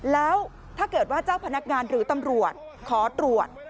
แล้วถ้าเกิดว่าเจ้าพนักงานหรือตำรวจขอตรวจ